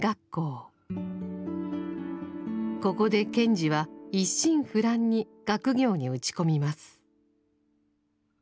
ここで賢治は一心不乱に学業に打ち込みます。